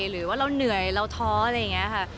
หรือว่าเราเหนื่อยเราท้ออะไรอย่างนี้ค่ะ